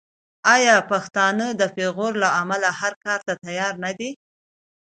آیا پښتون د پېغور له امله هر کار ته تیار نه دی؟